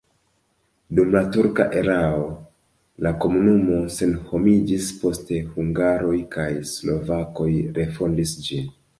Dum la turka erao la komunumo senhomiĝis, poste hungaroj kaj slovakoj refondis ĝin.